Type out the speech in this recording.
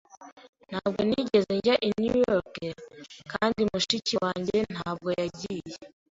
Ntabwo nigeze njya i New York, kandi mushiki wanjye ntabwo yagiye.